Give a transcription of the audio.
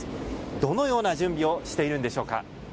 どのような準備をしているんでしょうか。